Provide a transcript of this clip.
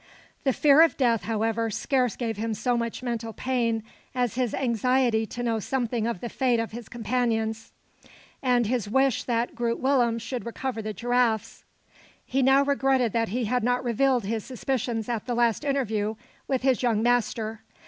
The fear of death, however, scarce gave him so much mental pain as his anxiety to know something of the fate of his companions, and his wish that Groot Willem should recover the giraffes. He now regretted that he had not revealed his suspicions at the last interview with his young master.